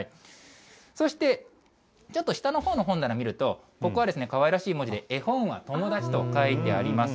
そして、ちょっと下のほうの本棚見ると、ここはかわいらしい文字で、えほんはともだちと書いてあります。